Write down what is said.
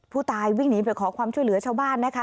ผู้ตายวิ่งหนีไปขอความช่วยเหลือชาวบ้านนะคะ